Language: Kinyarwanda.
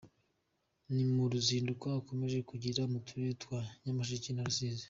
Ni mu ruzinduko akomeje kugirira mu turere twa Nyamasheke na Rusizi.